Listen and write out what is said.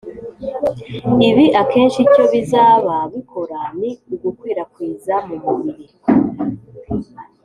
ibi akenshi icyo bizaba bikora ni ugukwirakwiza mu mubiri